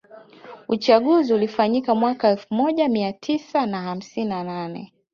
Uchaguzi ulifanyika mwaka elfu moja Mia tisa na hamsini na nane